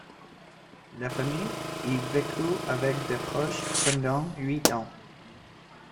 La famille y vécut avec des proches pendant huit ans.